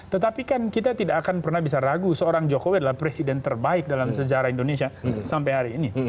tetapi kan kita tidak akan pernah bisa ragu seorang jokowi adalah presiden terbaik dalam sejarah indonesia sampai hari ini